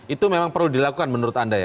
itu memang perlu dilakukan menurut anda ya